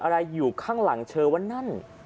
อะไรอยู่ข้างหลังเธอว่านั่น